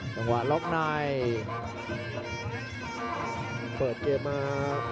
จังหวะล็อคน้ำ